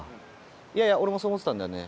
いやいや俺もそう思ってたんだよね。